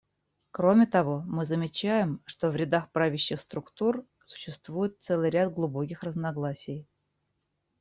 Кроме того, мы замечаем, что в рядах правящих структур существует целый ряд глубоких разногласий.